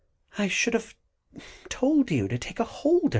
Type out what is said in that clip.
I should have told you to take a holder."